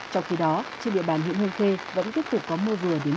trong khi đó trên địa bàn huyện hưu khê vẫn tiếp tục có mưa vừa đến